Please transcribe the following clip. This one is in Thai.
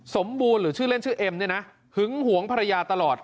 สมบูรณ์หรือชื่อเล่นชื่อเอ็มเนี่ยนะหึงหวงภรรยาตลอด